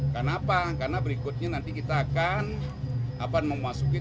kenapa karena berikutnya nanti kita akan memasuki